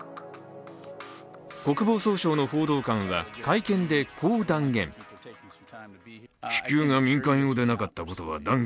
国防総省の報道官は会見でこう断言。